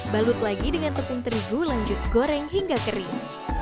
balut lagi dengan tepung terigu lanjut goreng hingga kering